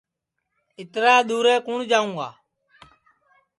اِترا دُؔورے کُوٹؔ جاؤں گا